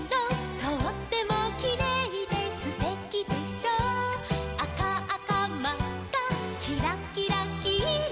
「とってもきれいですてきでしょ」「あかあかまっかきらきらきいろ」